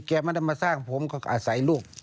ไม่ได้มาสร้างผมก็อาศัยลูก